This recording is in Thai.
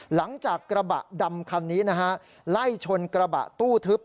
หลังจากกระบะดำคันนี้นะฮะไล่ชนกระบะตู้ทึบ